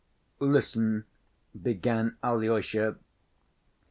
"Listen," began Alyosha.